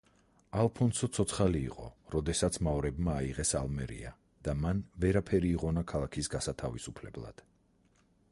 ალფონსო ცოცხალი იყო, როდესაც მავრებმა აიღეს ალმერია, და მან ვერაფერი იღონა ქალაქის გასათავისუფლებლად.